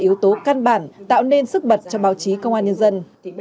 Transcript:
yếu tố căn bản tạo nên sức bật cho báo chí công an nhân dân